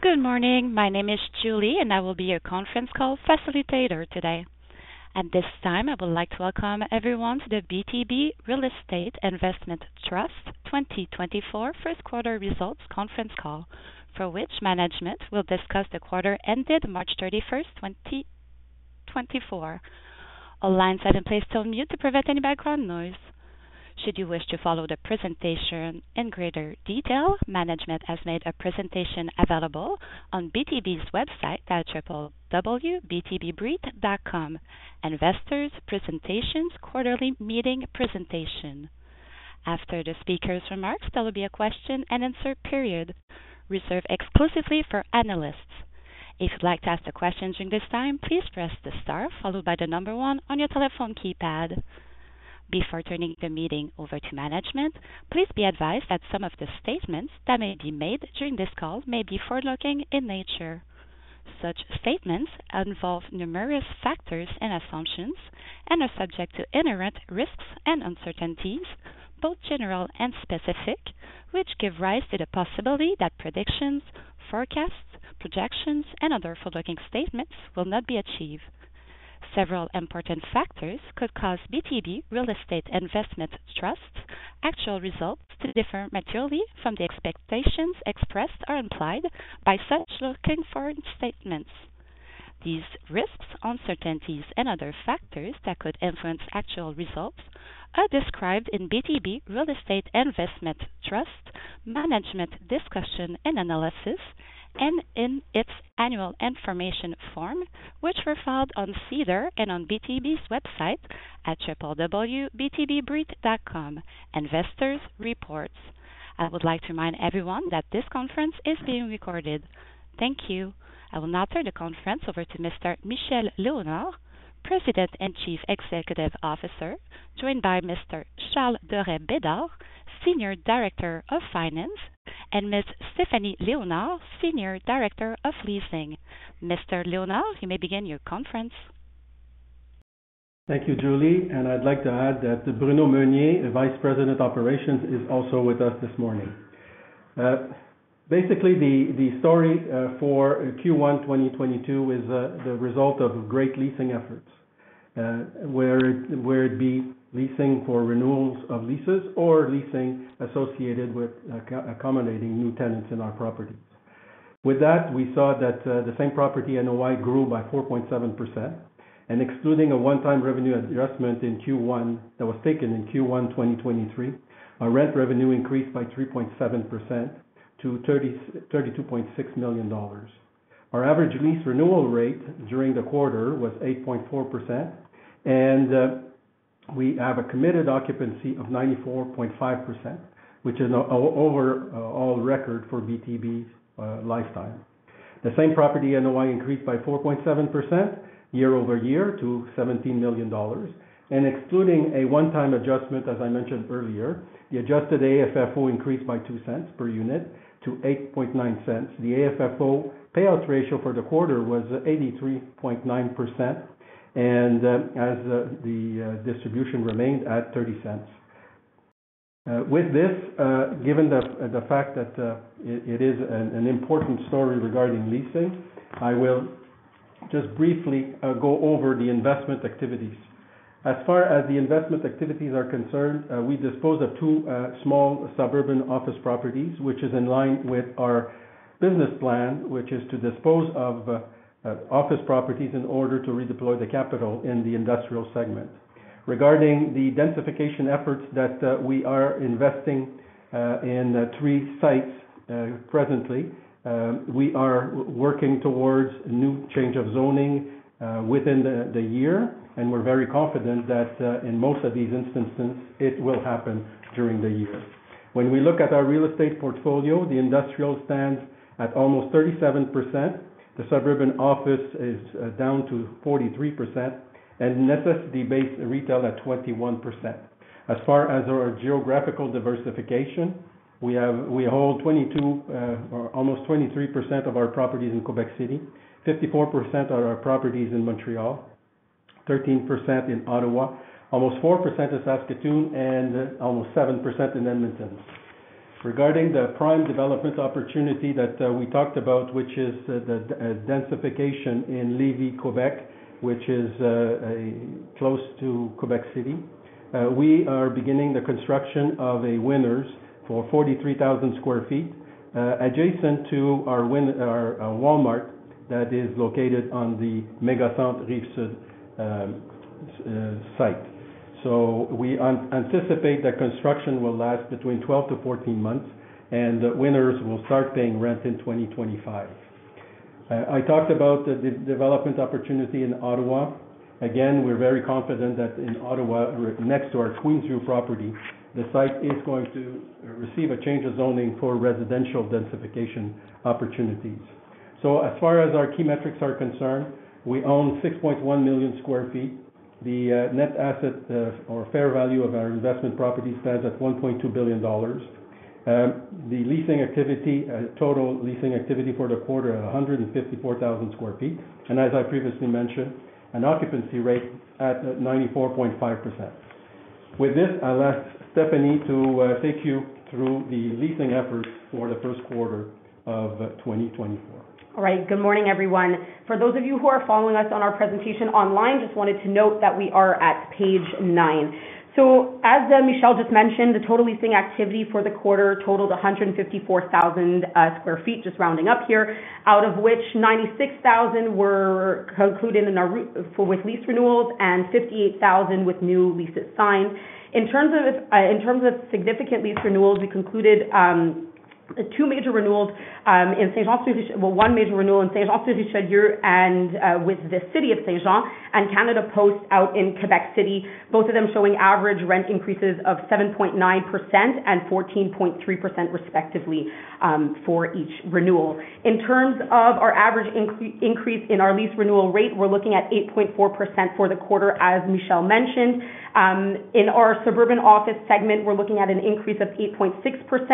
Good morning. My name is Julie, and I will be your conference call facilitator today. At this time, I would like to welcome everyone to the BTB Real Estate Investment Trust 2024 First Quarter Results Conference Call, for which management will discuss the quarter ended March 31, 2024. All lines are in place on mute to prevent any background noise. Should you wish to follow the presentation in greater detail, management has made a presentation available on BTB's website at www.btbreit.com, Investors presentations, quarterly meeting presentation. After the speaker's remarks, there will be a question-and-answer period reserved exclusively for analysts. If you'd like to ask a question during this time, please press the star followed by the number 1 on your telephone keypad. Before turning the meeting over to management, please be advised that some of the statements that may be made during this call may be forward-looking in nature. Such statements involve numerous factors and assumptions and are subject to inherent risks and uncertainties, both general and specific, which give rise to the possibility that predictions, forecasts, projections, and other forward-looking statements will not be achieved. Several important factors could cause BTB Real Estate Investment Trust actual results to differ materially from the expectations expressed or implied by such forward-looking statements. These risks, uncertainties, and other factors that could influence actual results are described in BTB Real Estate Investment Trust Management Discussion and Analysis, and in its Annual Information Form, which were filed on SEDAR+ and on BTB's website at www.btbreit.com, investors reports. I would like to remind everyone that this conference is being recorded. Thank you. I will now turn the conference over to Mr. Michel Léonard, President and Chief Executive Officer, joined by Mr. Charles Dorais-Bédard, Senior Director of Finance, and Ms. Stéphanie Léonard, Senior Director of Leasing. Mr. Léonard, you may begin your conference. Thank you, Julie, and I'd like to add that Bruno Meunier, Vice President of Operations, is also with us this morning. Basically, the story for Q1 2022 is the result of great leasing efforts. Whether it be leasing for renewals of leases or leasing associated with accommodating new tenants in our properties. With that, we saw that the same property NOI grew by 4.7%, and excluding a one-time revenue adjustment in Q1 that was taken in Q1 2023, our rent revenue increased by 3.7% to 32.6 million dollars. Our average lease renewal rate during the quarter was 8.4%, and we have a committed occupancy of 94.5%, which is an all-time record for BTB's lifetime. The same property NOI increased by 4.7% year-over-year to 17 million dollars. Excluding a one-time adjustment, as I mentioned earlier, the adjusted AFFO increased by 0.02 per unit to 0.089. The AFFO payout ratio for the quarter was 83.9%, and the distribution remained at 0.30. With this, given the fact that it is an important story regarding leasing, I will just briefly go over the investment activities. As far as the investment activities are concerned, we dispose of two small suburban office properties, which is in line with our business plan, which is to dispose of office properties in order to redeploy the capital in the industrial segment. Regarding the densification efforts that we are investing in 3 sites presently, we are working towards new change of zoning within the year, and we're very confident that in most of these instances, it will happen during the year. When we look at our real estate portfolio, the industrial stands at almost 37%, the suburban office is down to 43%, and necessity-based retail at 21%. As far as our geographical diversification, we hold 22 or almost 23% of our properties in Quebec City, 54% are our properties in Montreal, 13% in Ottawa, almost 4% in Saskatoon, and almost 7% in Edmonton. Regarding the prime development opportunity that we talked about, which is the densification in Lévis, Quebec, which is close to Quebec City, we are beginning the construction of a Winners for 43,000 sq ft, adjacent to our Walmart, that is located on the Méga Centre Rive-Sud site. So we anticipate that construction will last between 12-14 months, and the Winners will start paying rent in 2025. I talked about the development opportunity in Ottawa. Again, we're very confident that in Ottawa, we're next to our Queensview property, the site is going to receive a change of zoning for residential densification opportunities. So as far as our key metrics are concerned, we own 6.1 million sq ft. The net asset or fair value of our investment property stands at 1.2 billion dollars. The leasing activity, total leasing activity for the quarter at 154,000 sq ft, and as I previously mentioned, an occupancy rate at 94.5%.... With this, I'll ask Stéphanie to take you through the leasing efforts for the first quarter of 2024. All right. Good morning, everyone. For those of you who are following us on our presentation online, just wanted to note that we are at page nine. So as Michel just mentioned, the total leasing activity for the quarter totaled 154,000 sq ft, just rounding up here, out of which 96,000 were concluded in our with lease renewals and 58,000 with new leases signed. In terms of, in terms of significant lease renewals, we concluded two major renewals in Saint-Jean-sur-Richelieu. Well, one major renewal in Saint-Jean-sur-Richelieu, and with the City of Saint-Jean and Canada Post out in Quebec City, both of them showing average rent increases of 7.9% and 14.3%, respectively, for each renewal. In terms of our average increase in our lease renewal rate, we're looking at 8.4% for the quarter, as Michel mentioned. In our suburban office segment, we're looking at an increase of 8.6%,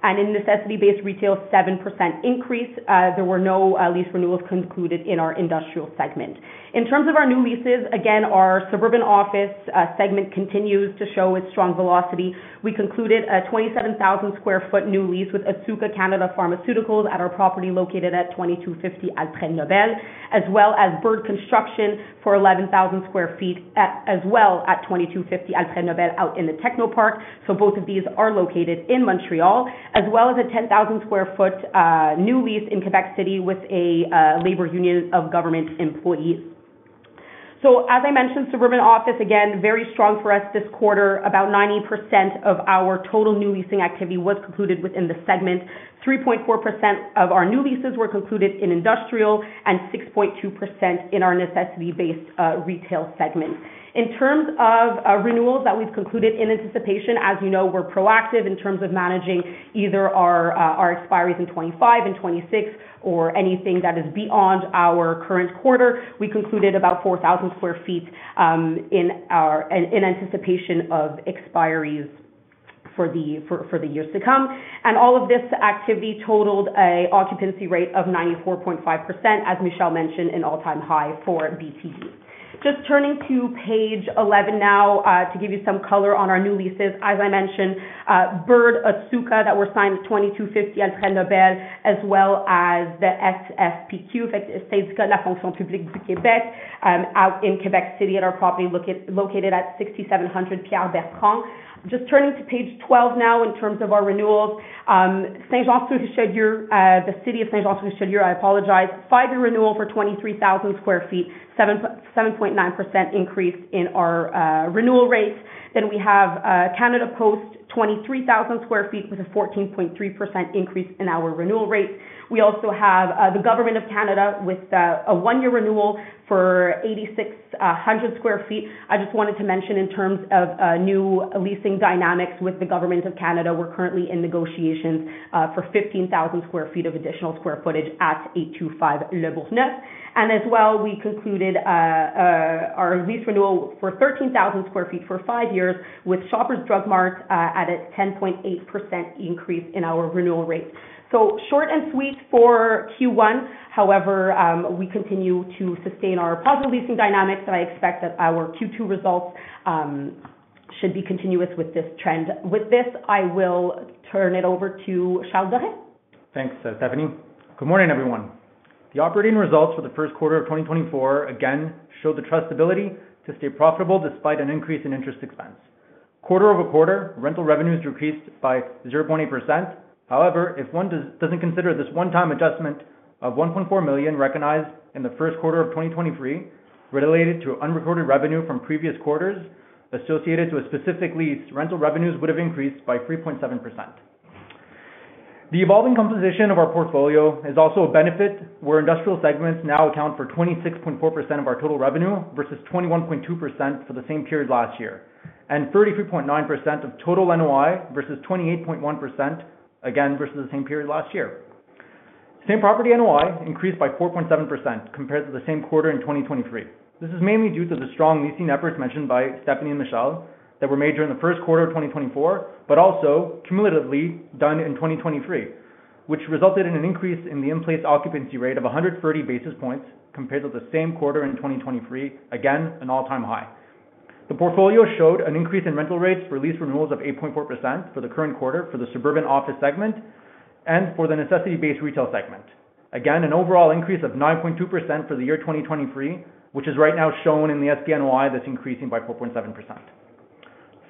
and in necessity-based retail, 7% increase. There were no lease renewals concluded in our industrial segment. In terms of our new leases, again, our suburban office segment continues to show its strong velocity. We concluded a 27,000 sq ft new lease with Otsuka Canada Pharmaceuticals at our property located at 2,250 Alfred-Nobel, as well as Bird Construction for 11,000 sq ft at, as well, at 2,250 Alfred-Nobel out in the Technoparc. So both of these are located in Montreal, as well as a 10,000 sq ft new lease in Quebec City with a labor union of government employees. So as I mentioned, suburban office, again, very strong for us this quarter. About 90% of our total new leasing activity was concluded within the segment. 3.4% of our new leases were concluded in industrial, and 6.2% in our necessity-based retail segment. In terms of renewals that we've concluded in anticipation, as you know, we're proactive in terms of managing either our our expiries in 2025 and 2026 or anything that is beyond our current quarter. We concluded about 4,000 sq ft in anticipation of expiries for the years to come. All of this activity totaled an occupancy rate of 94.5%, as Michel mentioned, an all-time high for BTB. Just turning to page 11 now, to give you some color on our new leases. As I mentioned, Bird, Otsuka, that were signed at 2250 Alfred-Nobel, as well as the SFPQ, Syndicat de la fonction publique du Québec, out in Quebec City at our property located at 6700 Pierre-Bertrand. Just turning to page 12 now in terms of our renewals. Saint-Jean-sur-Richelieu, the City of Saint-Jean-sur-Richelieu, I apologize. 5-year renewal for 23,000 sq ft, 7.9% increase in our renewal rate. Then we have, Canada Post, 23,000 sq ft with a 14.3% increase in our renewal rate. We also have the Government of Canada with a 1-year renewal for 8,600 sq ft. I just wanted to mention, in terms of new leasing dynamics with the Government of Canada, we're currently in negotiations for 15,000 sq ft of additional square footage at 825 Lebourgneuf. And as well, we concluded our lease renewal for 13,000 sq ft for 5 years with Shoppers Drug Mart at a 10.8% increase in our renewal rate. So short and sweet for Q1. However, we continue to sustain our positive leasing dynamics, and I expect that our Q2 results should be continuous with this trend. With this, I will turn it over to Charles Dorais. Thanks, Stéphanie. Good morning, everyone. The operating results for the first quarter of 2024 again showed the trust's ability to stay profitable despite an increase in interest expense. Quarter-over-quarter, rental revenues increased by 0.8%. However, if one doesn't consider this one-time adjustment of 1.4 million recognized in the first quarter of 2023, related to unrecorded revenue from previous quarters associated to a specific lease, rental revenues would have increased by 3.7%. The evolving composition of our portfolio is also a benefit, where industrial segments now account for 26.4% of our total revenue versus 21.2% for the same period last year, and 33.9% of total NOI versus 28.1%, again, versus the same period last year. Same-property NOI increased by 4.7% compared to the same quarter in 2023. This is mainly due to the strong leasing efforts mentioned by Stéphanie and Michel that were made during the first quarter of 2024, but also cumulatively done in 2023, which resulted in an increase in the in-place occupancy rate of 100 basis points compared with the same quarter in 2023. Again, an all-time high. The portfolio showed an increase in rental rates for lease renewals of 8.4% for the current quarter for the suburban office segment and for the necessity-based retail segment. Again, an overall increase of 9.2% for the year 2023, which is right now shown in the SPNOI that's increasing by 4.7%.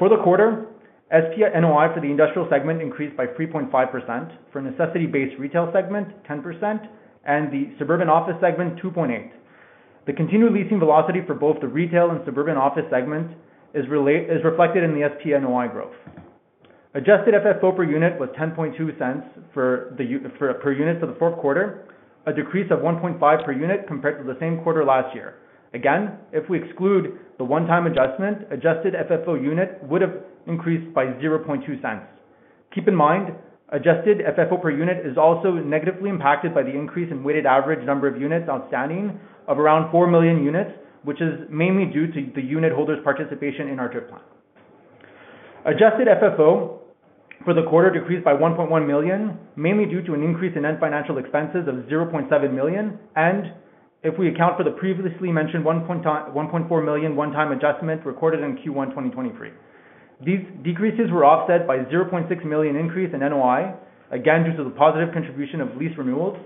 For the quarter, SPNOI for the industrial segment increased by 3.5%, for necessity-based retail segment, 10%, and the suburban office segment, 2.8%. The continued leasing velocity for both the retail and suburban office segment is reflected in the SPNOI growth. Adjusted FFO per unit was 0.102 per unit for the fourth quarter, a decrease of 0.015 per unit compared to the same quarter last year. Again, if we exclude the one-time adjustment, adjusted FFO unit would have increased by 0.002. Keep in mind, adjusted FFO per unit is also negatively impacted by the increase in weighted average number of units outstanding of around 4 million units, which is mainly due to the unit holders' participation in our DRIP plan. Adjusted FFO for the quarter decreased by 1.1 million, mainly due to an increase in net financial expenses of 0.7 million. And if we account for the previously mentioned 1.4 million one-time adjustment recorded in Q1 2023. These decreases were offset by 0.6 million increase in NOI, again, due to the positive contribution of lease renewals.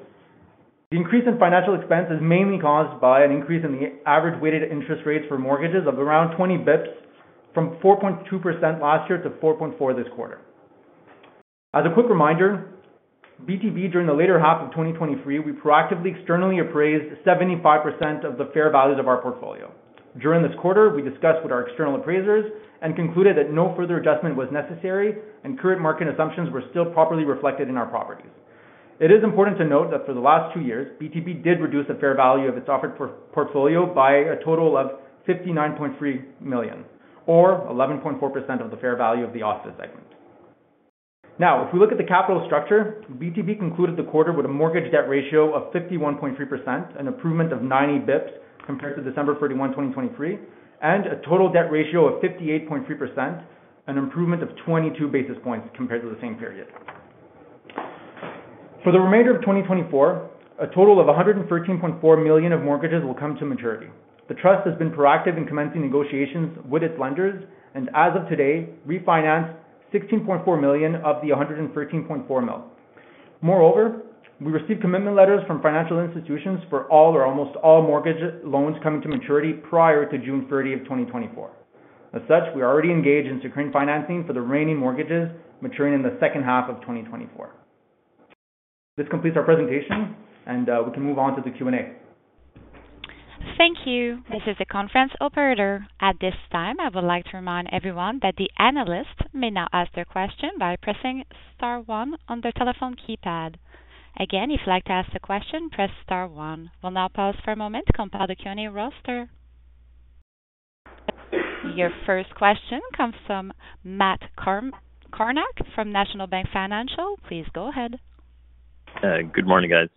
The increase in financial expense is mainly caused by an increase in the average weighted interest rates for mortgages of around 20 basis points, from 4.2% last year to 4.4% this quarter. As a quick reminder, BTB during the latter half of 2023, we proactively externally appraised 75% of the fair value of our portfolio. During this quarter, we discussed with our external appraisers and concluded that no further adjustment was necessary, and current market assumptions were still properly reflected in our properties. It is important to note that for the last two years, BTB did reduce the fair value of its portfolio by a total of 59.3 million, or 11.4% of the fair value of the office segment. Now, if we look at the capital structure, BTB concluded the quarter with a mortgage debt ratio of 51.3%, an improvement of ninety basis points compared to December 31, 2023, and a total debt ratio of 58.3%, an improvement of twenty-two basis points compared to the same period. For the remainder of 2024, a total of 113.4 million of mortgages will come to maturity. The Trust has been proactive in commencing negotiations with its lenders, and as of today, refinanced 16.4 million of the 113.4 million. Moreover, we received commitment letters from financial institutions for all or almost all mortgage loans coming to maturity prior to June 30, 2024. As such, we are already engaged in securing financing for the remaining mortgages, maturing in the second half of 2024. This completes our presentation, and we can move on to the Q&A. Thank you. This is the conference operator. At this time, I would like to remind everyone that the analyst may now ask their question by pressing star one on their telephone keypad. Again, if you'd like to ask a question, press star one. We'll now pause for a moment to compile the Q&A roster. Your first question comes from Matt Kornack from National Bank Financial. Please go ahead. Good morning, guys.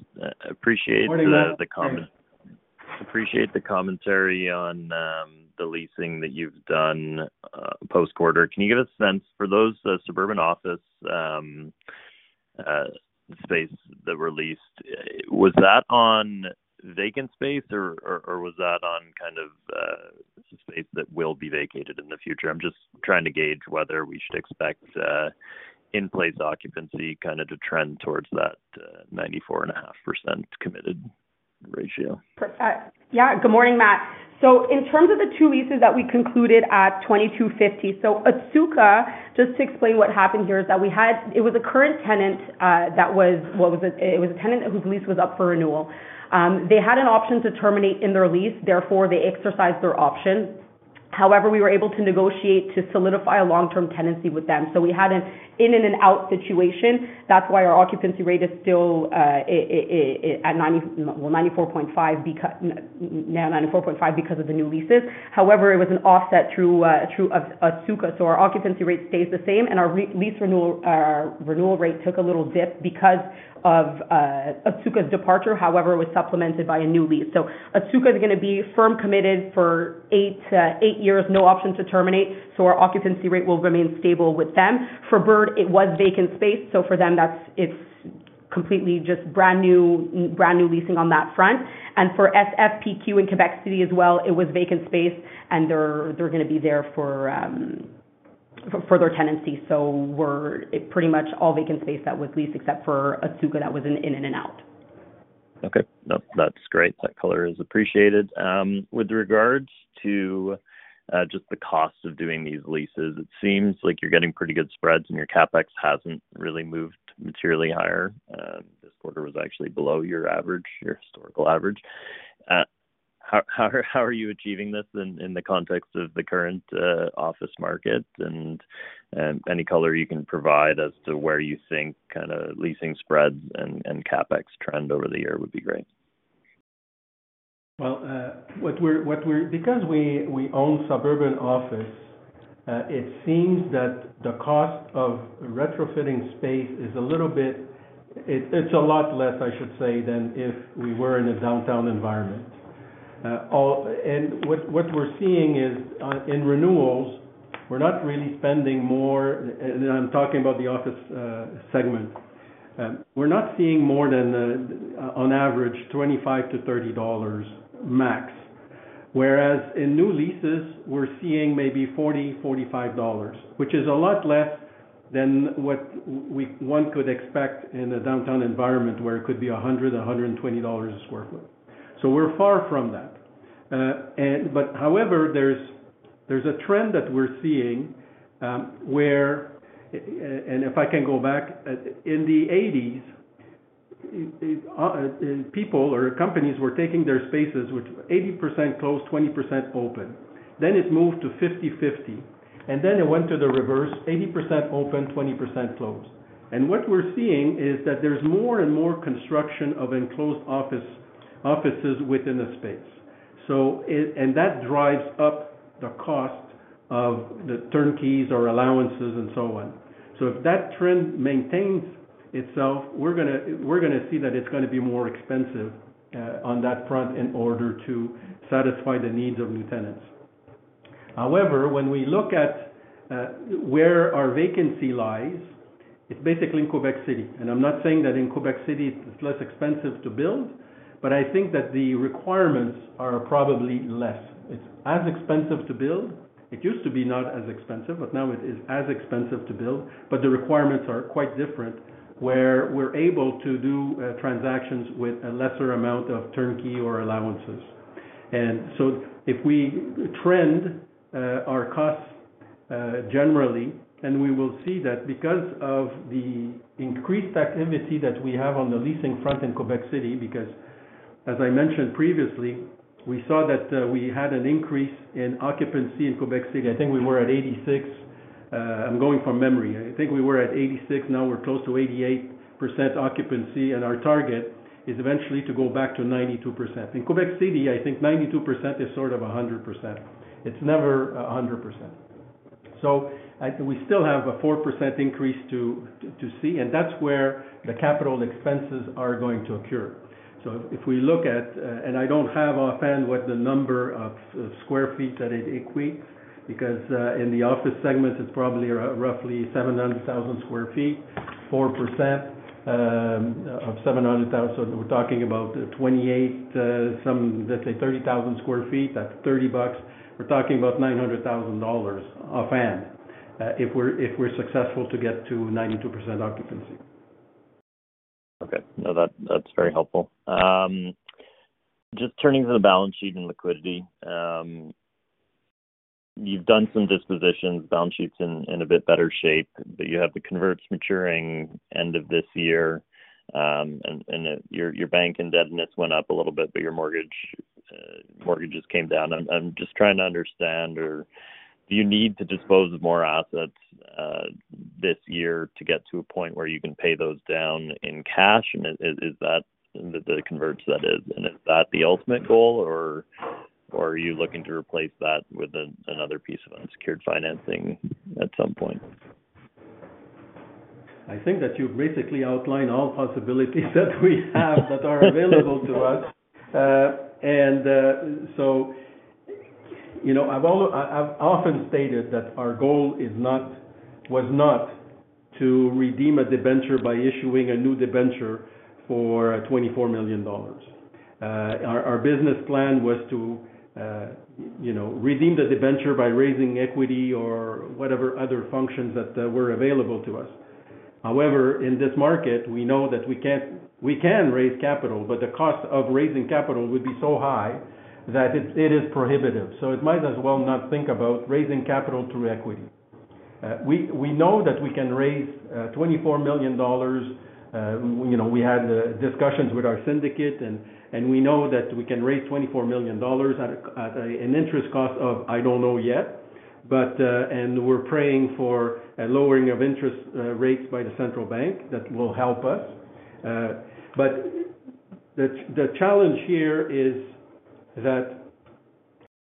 Appreciate- Good morning, Matt. -the comment. Appreciate the commentary on, the leasing that you've done, post-quarter. Can you give a sense for those, suburban office, space that were leased, was that on vacant space or, or, was that on kind of, space that will be vacated in the future? I'm just trying to gauge whether we should expect, in-place occupancy kind of to trend towards that, 94.5% committed ratio. Yeah. Good morning, Matt. So in terms of the two leases that we concluded at 2250. So Otsuka, just to explain what happened here, is that we had it was a current tenant that was what was it? It was a tenant whose lease was up for renewal. They had an option to terminate in their lease, therefore, they exercised their option. However, we were able to negotiate to solidify a long-term tenancy with them. So we had an in-and-an-out situation. That's why our occupancy rate is still at 94.5% now 94.5% because of the new leases. However, it was an offset through Otsuka. So our occupancy rate stays the same, and our lease renewal rate took a little dip because of Otsuka's departure. However, it was supplemented by a new lease. So Otsuka is gonna be firm committed for 8 years, no option to terminate, so our occupancy rate will remain stable with them. For Bird, it was vacant space, so for them, that's, it's completely just brand new, brand new leasing on that front. And for SFPQ in Quebec City as well, it was vacant space, and they're gonna be there for their tenancy. So we're pretty much all vacant space that was leased, except for Otsuka that was an in-and-out. Okay. No, that's great. That color is appreciated. With regards to just the cost of doing these leases, it seems like you're getting pretty good spreads, and your CapEx hasn't really moved materially higher. This quarter was actually below your average, your historical average. How are you achieving this in the context of the current office market? And any color you can provide as to where you think kind of leasing spreads and CapEx trend over the year would be great. Well, what we're—Because we own suburban office, it seems that the cost of retrofitting space is a little bit... It's a lot less, I should say, than if we were in a downtown environment. And what we're seeing is, in renewals, we're not really spending more, and I'm talking about the office segment. We're not seeing more than, on average, 25-30 dollars max. Whereas in new leases, we're seeing maybe 40-45 dollars, which is a lot less than what one could expect in a downtown environment, where it could be 100-120 dollars a sq ft. So we're far from that. However, there's a trend that we're seeing, where, and if I can go back, in the 1980s, people or companies were taking their spaces, which 80% closed, 20% open, then it moved to 50/50, and then it went to the reverse, 80% open, 20% closed. And what we're seeing is that there's more and more construction of enclosed offices within the space. So it and that drives up the cost of the turnkeys or allowances and so on. So if that trend maintains itself, we're gonna see that it's gonna be more expensive, on that front in order to satisfy the needs of new tenants.... However, when we look at where our vacancy lies, it's basically in Quebec City. I'm not saying that in Quebec City it's less expensive to build, but I think that the requirements are probably less. It's as expensive to build. It used to be not as expensive, but now it is as expensive to build, but the requirements are quite different, where we're able to do transactions with a lesser amount of turnkey or allowances. And so if we trend our costs generally, then we will see that because of the increased activity that we have on the leasing front in Quebec City, because as I mentioned previously, we saw that we had an increase in occupancy in Quebec City. I think we were at 86, I'm going from memory. I think we were at 86, now we're close to 88% occupancy, and our target is eventually to go back to 92%. In Quebec City, I think 92% is sort of a hundred percent. It's never a hundred percent. So we still have a 4% increase to see, and that's where the capital expenses are going to occur. So if we look at... And I don't have offhand what the number of square feet that it equates, because in the office segment, it's probably roughly 700,000 sq ft, 4% of 700,000. We're talking about 28, some, let's say 30,000 sq ft, that's 30 bucks. We're talking about 900,000 dollars offhand, if we're successful to get to 92% occupancy. Okay. No, that, that's very helpful. Just turning to the balance sheet and liquidity. You've done some dispositions, balance sheet's in a bit better shape, but you have the converts maturing end of this year, and your bank indebtedness went up a little bit, but your mortgage, mortgages came down. I'm just trying to understand or do you need to dispose of more assets this year to get to a point where you can pay those down in cash? And is that the converts, that is, and is that the ultimate goal, or are you looking to replace that with another piece of unsecured financing at some point? I think that you've basically outlined all possibilities that we have that are available to us. You know, I've often stated that our goal was not to redeem a debenture by issuing a new debenture for 24 million dollars. Our business plan was to, you know, redeem the debenture by raising equity or whatever other functions that were available to us. However, in this market, we know that we can raise capital, but the cost of raising capital would be so high that it is prohibitive. So we might as well not think about raising capital through equity. We know that we can raise 24 million dollars. You know, we had discussions with our syndicate, and we know that we can raise 24 million dollars at an interest cost of, I don't know yet. But... And we're praying for a lowering of interest rates by the central bank, that will help us. But the challenge here is that,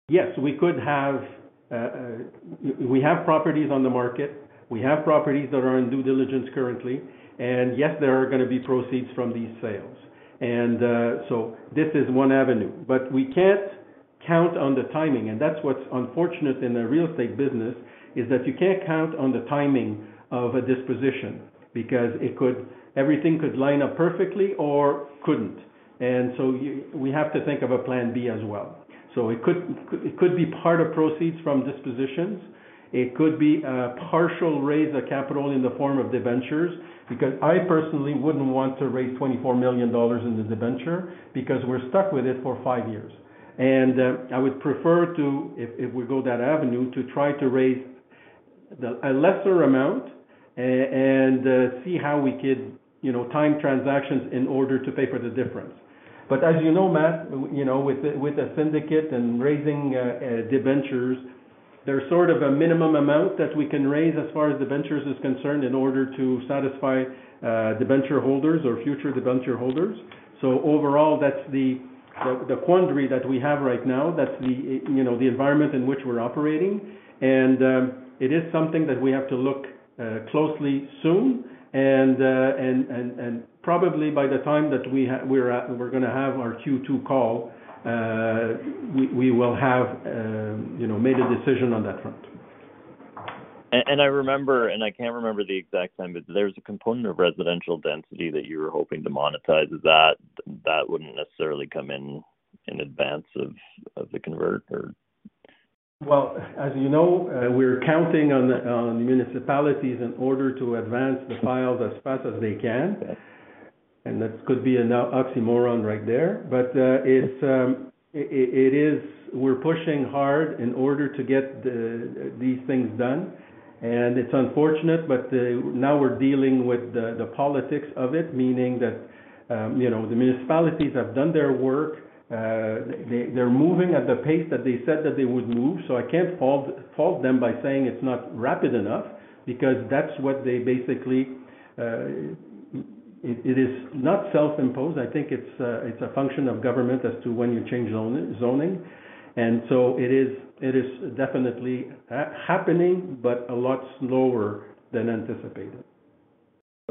yes, we could have. We have properties on the market, we have properties that are in due diligence currently, and yes, there are gonna be proceeds from these sales. And so this is one avenue. But we can't count on the timing, and that's what's unfortunate in the real estate business, is that you can't count on the timing of a disposition, because it could-- everything could line up perfectly or couldn't. And so we have to think of a plan B as well. So it could be part of proceeds from dispositions. It could be a partial raise of capital in the form of debentures, because I personally wouldn't want to raise 24 million dollars in the debenture, because we're stuck with it for five years. And I would prefer to, if we go that avenue, to try to raise the, and see how we could, you know, time transactions in order to pay for the difference. But as you know, Matt, you know, with the syndicate and raising debentures, there's sort of a minimum amount that we can raise as far as debentures is concerned, in order to satisfy debenture holders or future debenture holders. So overall, that's the quandary that we have right now. That's the, you know, the environment in which we're operating. It is something that we have to look closely soon, and probably by the time that we're gonna have our Q2 call, we will have, you know, made a decision on that front. I remember, and I can't remember the exact time, but there's a component of residential density that you were hoping to monetize. Is that that wouldn't necessarily come in advance of the converter? Well, as you know, we're counting on the municipalities in order to advance the files as fast as they can, and this could be an oxymoron right there. But it's it is. We're pushing hard in order to get these things done, and it's unfortunate, but now we're dealing with the politics of it, meaning that you know, the municipalities have done their work. They, they're moving at the pace that they said that they would move, so I can't fault them by saying it's not rapid enough, because that's what they basically. It is not self-imposed. I think it's a function of government as to when you change zoning. And so it is definitely happening, but a lot slower than anticipated....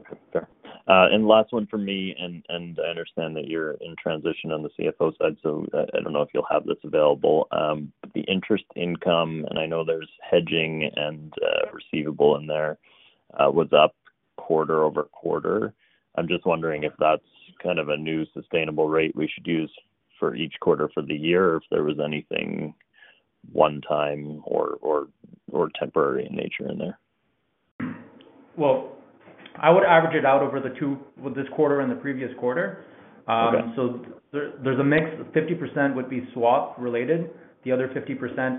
Okay, fair. And last one for me, and I understand that you're in transition on the CFO side, so I don't know if you'll have this available. The interest income, and I know there's hedging and receivable in there, was up quarter-over-quarter. I'm just wondering if that's kind of a new sustainable rate we should use for each quarter for the year, or if there was anything one-time or temporary in nature in there? Well, I would average it out over the two, with this quarter and the previous quarter. Okay. So there, there's a mix. 50% would be swap related, the other 50%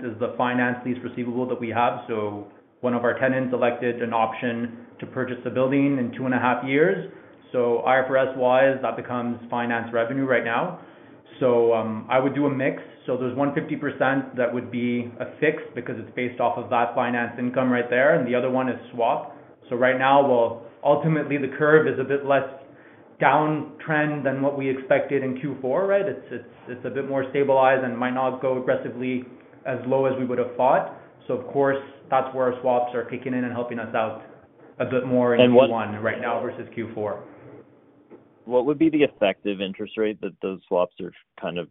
is the finance lease receivable that we have. So one of our tenants elected an option to purchase the building in two and a half years. So IFRS-wise, that becomes finance revenue right now. So, I would do a mix. So there's one 50% that would be a fixed, because it's based off of that finance income right there, and the other one is swap. So right now, well, ultimately, the curve is a bit less downtrend than what we expected in Q4, right? It's a bit more stabilized and might not go aggressively as low as we would have thought. So of course, that's where our swaps are kicking in and helping us out a bit more- And what- - in Q1 right now versus Q4. What would be the effective interest rate that those swaps are kind of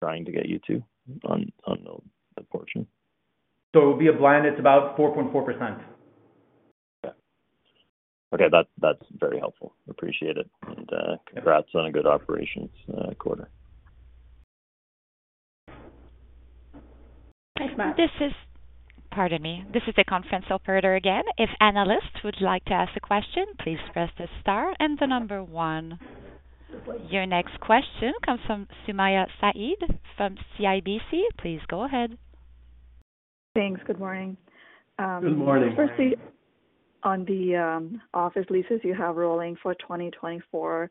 trying to get you to, on, on the portion? So it would be a blend, it's about 4.4%. Okay. Okay, that's, that's very helpful. Appreciate it, and, congrats on a good operations quarter. Thanks, Matt. This is... Pardon me. This is the conference operator again. If analysts would like to ask a question, please press the star and the number one. Your next question comes from Sumayya Syed from CIBC. Please go ahead. Thanks. Good morning, Good morning. Firstly, on the office leases you have rolling for 2024,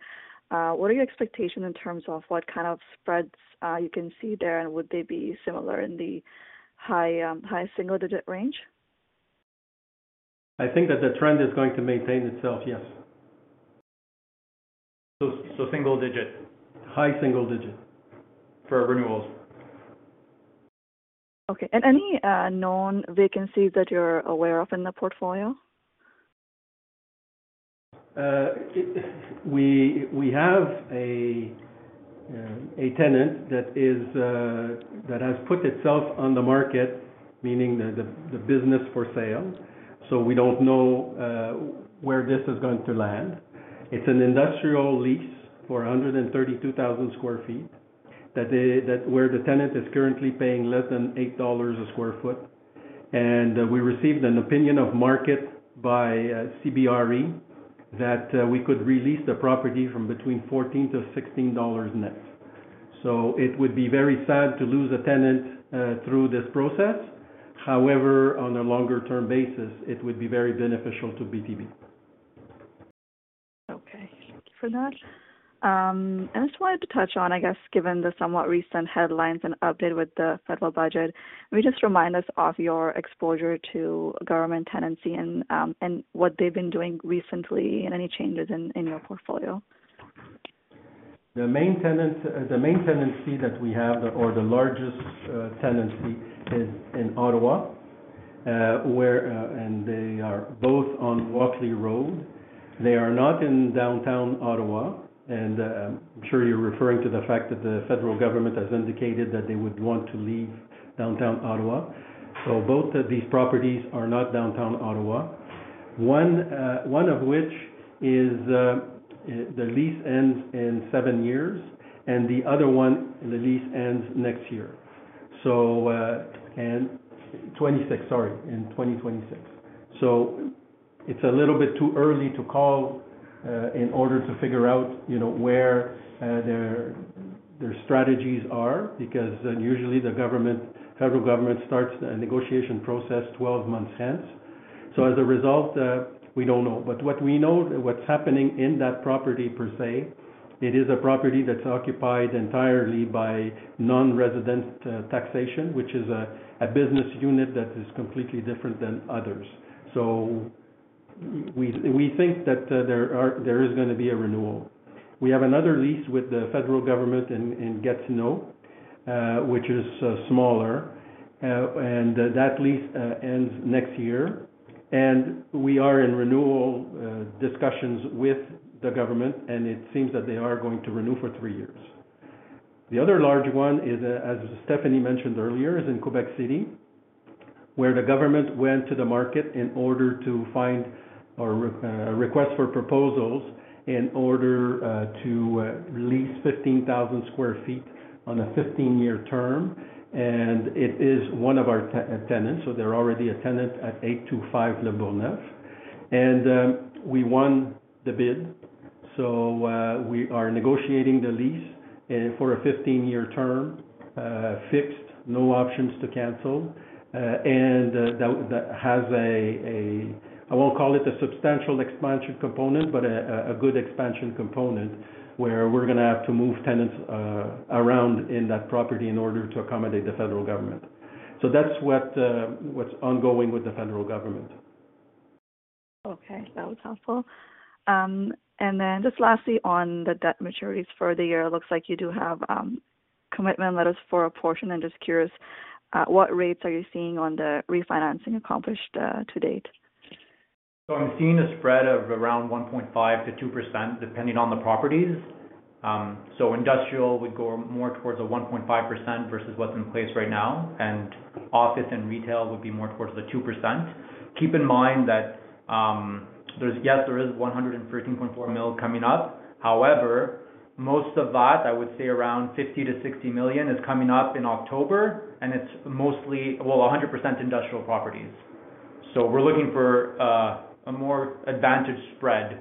what are your expectations in terms of what kind of spreads you can see there? And would they be similar in the high high-single-digit range? I think that the trend is going to maintain itself, yes. So, single-digit? High-single-digit for our renewals. Okay. Any known vacancies that you're aware of in the portfolio? We have a tenant that is that has put itself on the market, meaning the business for sale. So we don't know where this is going to land. It's an industrial lease for 132,000 sq ft, that where the tenant is currently paying less than 8 dollars a sq ft. And we received an opinion of market by CBRE, that we could re-lease the property from between 14 to 16 dollars net. So it would be very sad to lose a tenant through this process. However, on a longer-term basis, it would be very beneficial to BTB. Okay, thank you for that. I just wanted to touch on, I guess, given the somewhat recent headlines and update with the federal budget, can you just remind us of your exposure to government tenancy and, and what they've been doing recently, and any changes in, in your portfolio? The main tenant, the main tenancy that we have, or the largest, tenancy, is in Ottawa, where, and they are both on Walkley Road. They are not in downtown Ottawa, and, I'm sure you're referring to the fact that the federal government has indicated that they would want to leave downtown Ottawa. So both of these properties are not downtown Ottawa. One, one of which is, the lease ends in seven years, and the other one, the lease ends next year. So, and twenty-six, sorry, in 2026. So it's a little bit too early to call, in order to figure out, you know, where, their, their strategies are, because usually the government, federal government starts a negotiation process 12 months hence. So as a result, we don't know. But what we know, what's happening in that property per se, it is a property that's occupied entirely by Non-Resident Taxation, which is a business unit that is completely different than others. So we think that there is gonna be a renewal. We have another lease with the federal government in Gatineau, which is smaller, and that lease ends next year. And we are in renewal discussions with the government, and it seems that they are going to renew for three years. The other large one is, as Stéphanie mentioned earlier, is in Quebec City, where the government went to the market in order to find or request for proposals in order to lease 15,000 sq ft on a 15-year term, and it is one of our tenants, so they're already a tenant at 825 Lebourgneuf Boulevard. And, we won the bid, so, we are negotiating the lease, for a 15-year term, fixed, no options to cancel. And, that, that has a, a, I won't call it a substantial expansion component, but a, a, a good expansion component, where we're gonna have to move tenants, around in that property in order to accommodate the federal government. So that's what's ongoing with the federal government. Okay, that was helpful. And then just lastly, on the debt maturities for the year, it looks like you do have commitment letters for a portion. I'm just curious, what rates are you seeing on the refinancing accomplished to date? So I'm seeing a spread of around 1.5%-2%, depending on the properties. So industrial would go more towards the 1.5% versus what's in place right now, and office and retail would be more towards the 2%. Keep in mind that, there's—yes, there is 113.4 million coming up. However, most of that, I would say around 50-60 million, is coming up in October, and it's mostly, well, 100% industrial properties. So we're looking for, a more advantage spread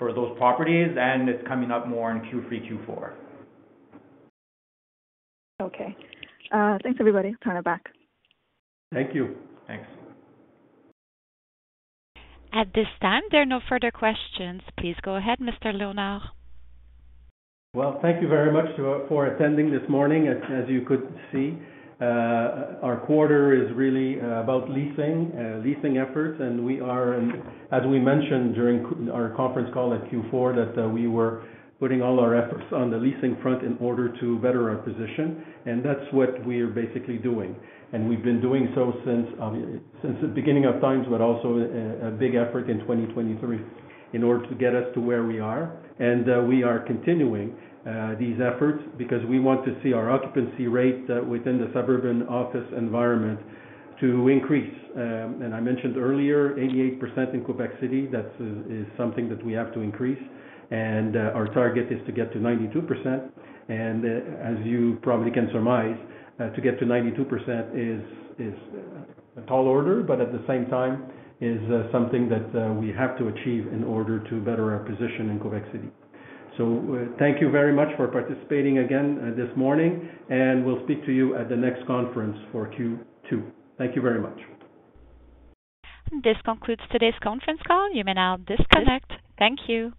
for those properties, and it's coming up more in Q3, Q4. Okay. Thanks, everybody. Turn it back. Thank you. Thanks. At this time, there are no further questions. Please go ahead, Mr. Léonard. Well, thank you very much to all for attending this morning. As you could see, our quarter is really about leasing efforts, and we are, as we mentioned during our conference call at Q4, that we were putting all our efforts on the leasing front in order to better our position. And that's what we are basically doing. And we've been doing so since the beginning of times, but also a big effort in 2023 in order to get us to where we are. And we are continuing these efforts because we want to see our occupancy rate within the suburban office environment to increase. And I mentioned earlier, 88% in Quebec City, that is something that we have to increase, and our target is to get to 92%. As you probably can surmise, to get to 92% is a tall order, but at the same time, is something that we have to achieve in order to better our position in Quebec City. So thank you very much for participating again, this morning, and we'll speak to you at the next conference for Q2. Thank you very much. This concludes today's conference call. You may now disconnect. Thank you.